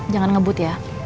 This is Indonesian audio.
jangan ngebut ya